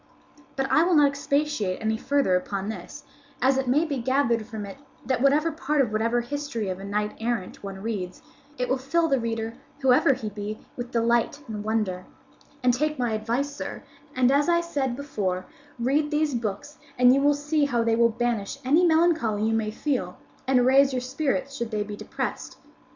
"But I will not expatiate any further upon this, as it may be gathered from it that whatever part of whatever history of a knight errant one reads, it will fill the reader, whoever he be, with delight and wonder; and take my advice, sir, and, as I said before, read these books and you will see how they will banish any melancholy you may feel and raise your spirits should they be depressed.